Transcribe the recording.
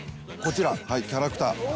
こちらキャラクター。